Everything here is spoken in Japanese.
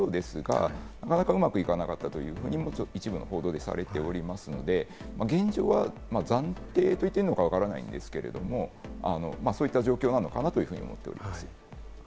そういった動きにされたようですが、なかなかうまくいかなかったというふうにも一部の報道でされておりますので、現状は暫定といっていいか、わからないですけどそういった状況なのかなと思っています。